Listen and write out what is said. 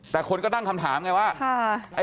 แต่คนก็ตั้งคำถามไงว่า